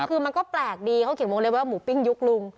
คือมันก็แปลกดีเขาเขียนวงเล็ว่าหมูปิ้งยุคลุง